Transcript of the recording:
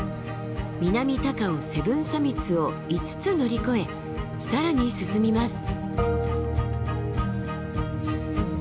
南高尾セブンサミッツを５つ乗り越え更に進みます。